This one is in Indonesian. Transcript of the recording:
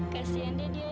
kasian deh dia ya